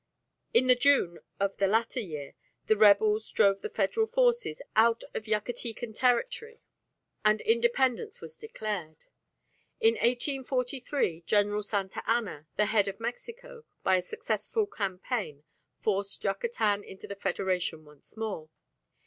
In the June of the latter year the rebels drove the Federal forces out of Yucatecan territory, and independence was declared. In 1843 General Santa Ana, the head of Mexico, by a successful campaign forced Yucatan into the Federation once more.